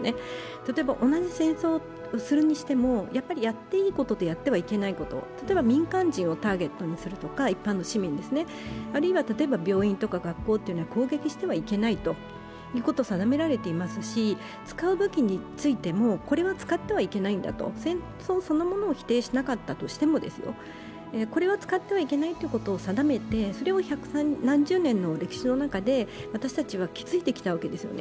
例えば同じ戦争をするにしてもやっていいことといけないこと、例えば民間人をターゲットにするとか、一般の市民ですね、あるいは例えば病院とか学校というのは攻撃してはいけないということを定められていますし使う武器についてもこれは使ってはいけないんだと、戦争そのものを否定しなかったとしても、これは使ってはいけないというのを定めて、それを百何十年の歴史の中で私たちは築いてきたわけですよね。